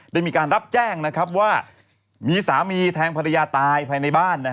ได้มีการรับแจ้งว่ามีสามีแทงภรรยาตายภายในบ้าน